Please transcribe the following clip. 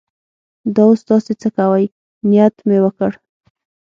دا اوس تاسې څه کوئ؟ نیت مې وکړ.